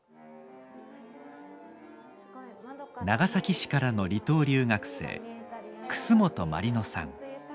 長崎市からの離島留学生楠本毬乃さん。